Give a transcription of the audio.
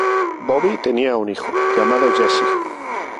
Bobby tenía un hijo llamado Jesse.